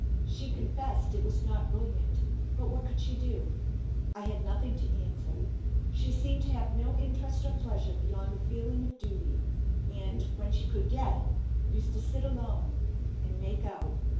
She confessed it was not brilliant, but what could she do? I had nothing to answer. She seemed to have no interest or pleasure beyond the feeling of duty, and, when she could get, used to sit alone, and 'make out.'